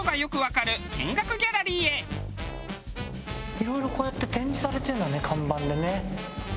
いろいろこうやって展示されてるんだね看板でね。